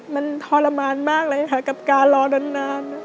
มันทรมานมากเลยค่ะกับการรอนาน